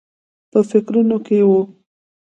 په فکرونو کې و.